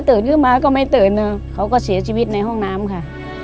ขึ้นมาก็ไม่ตื่นนะเขาก็เสียชีวิตในห้องน้ำค่ะ